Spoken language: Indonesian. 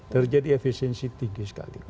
terjadi efisiensi tinggi sekali